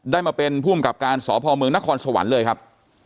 ได้มาเป็นภูมิกับการสพเมืองนครสวรรค์เลยครับ